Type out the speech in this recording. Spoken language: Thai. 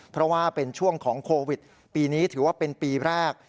เพราะว่าเป็นช่วงของโควิดปีนี้ถือว่าเป็นปีแรก